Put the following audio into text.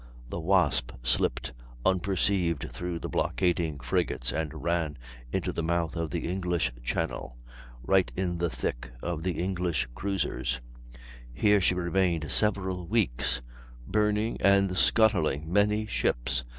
The Wasp slipped unperceived through the blockading frigates, and ran into the mouth of the English Channel, right in the thick of the English cruisers; here she remained several weeks, burning and scuttling many ships.